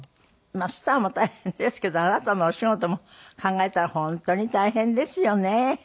まあスターも大変ですけどあなたのお仕事も考えたら本当に大変ですよね。